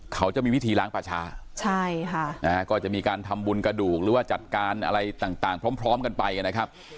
เขาจะมีวิธีล้างประชาใช่ค่ะนะฮะก็จะมีการทำบุญกระดูกหรือว่าจัดการอะไรต่างพร้อมกันไปนะครับ